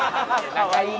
かわいいな。